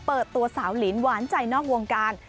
เปิดตัวสาวลินหวานใจนอกวงการ